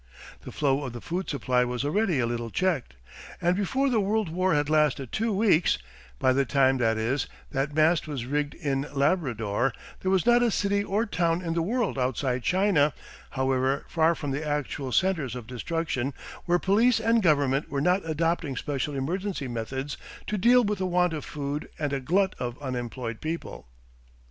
The flow of the food supply was already a little checked. And before the world war had lasted two weeks by the time, that is, that mast was rigged in Labrador there was not a city or town in the world outside China, however far from the actual centres of destruction, where police and government were not adopting special emergency methods to deal with a want of food and a glut of unemployed people.